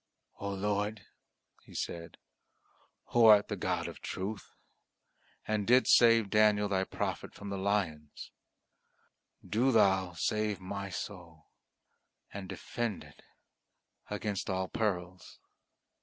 "O Lord," he said, "Who art the God of truth, and didst save Daniel Thy prophet from the lions, do Thou save my soul and defend it against all perils!"